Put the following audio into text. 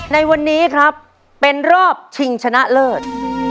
ในวันนี้ครับเป็นรอบชิงชนะเลิศ